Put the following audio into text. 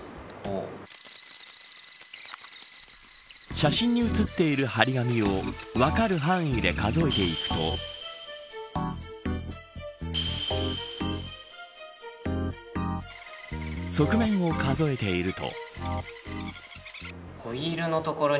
写真に写っている張り紙を分かる範囲で数えていくと側面を数えていると。